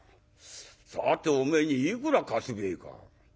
さておめえにいくら貸すべえか。